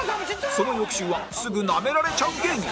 その翌週はすぐナメられちゃう芸人